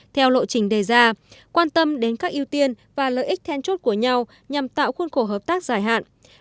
theo lộ trình đề ra quan tâm đến các ưu tiên và lợi ích then chốt của nhau nhằm tạo khuôn khổ hợp tác dài hạn